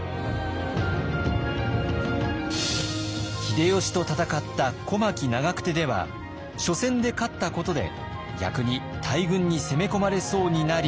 秀吉と戦った小牧・長久手では初戦で勝ったことで逆に大軍に攻め込まれそうになり。